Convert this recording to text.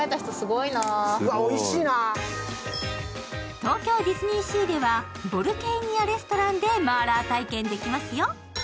東京ディズニーシーではヴォルケイニア・レストランで麻辣体験できますよ。